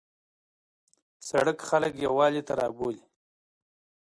سړک خلک یووالي ته رابولي.